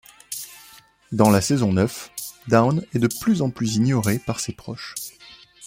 Dans la saison neuf, Dawn est de plus en plus ignorée par ses proches.